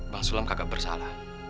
bang sulam kagak bersalah